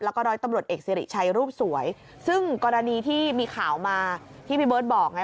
แล้วก็ร้อยตำรวจเอกสิริชัยรูปสวยซึ่งกรณีที่มีข่าวมาที่พี่เบิร์ตบอกไง